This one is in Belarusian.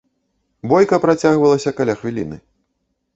Бойка працягвалася каля хвіліны.